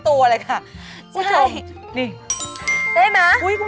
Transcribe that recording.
โอ้โหโอ้โห